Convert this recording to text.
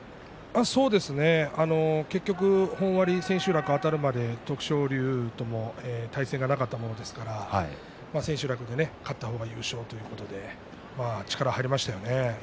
そうですね結局、本割、千秋楽あたるまで徳勝龍とは対戦がなかったものですから千秋楽で勝った方が優勝ということで力が入りましたよね。